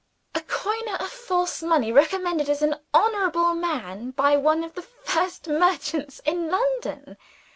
"A coiner of false money, recommended as an honorable man by one of the first merchants in London!"